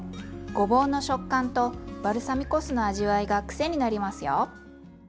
ごぼうの食感とバルサミコ酢の味わいが癖になりますよ。